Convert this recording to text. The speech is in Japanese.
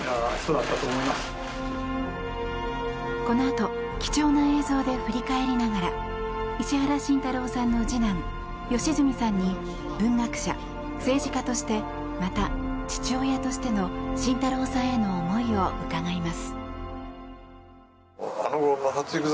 このあと、貴重な映像で振り返りながら石原慎太郎さんの次男良純さんに文学者、政治家としてまた、父親としての慎太郎さんへの思いを伺います。